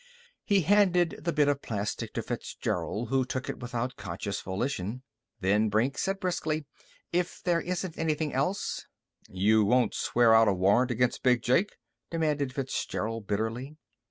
He handed the bit of plastic to Fitzgerald, who took it without conscious volition. Then Brink said briskly: "If there isn't anything else " "You won't swear out a warrant against Big Jake?" demanded Fitzgerald bitterly.